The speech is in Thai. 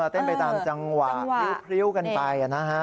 เต้นไปตามจังหวะพริ้วกันไปนะฮะ